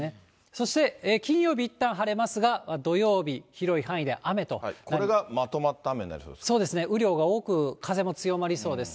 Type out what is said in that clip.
そして、金曜日いったん晴れますが、土曜日、これがまとまった雨になりそそうですね、雨量が多く、風も強まりそうです。